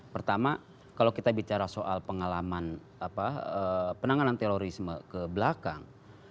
pertama kalau kita bicara soal pengalaman penanganan terorisme ke belakang